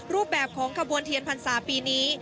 รูปแบบของขบวนเทียนพรรษาปีนี้